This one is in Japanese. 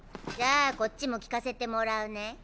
じゃあこっちも聞かせてもらうね。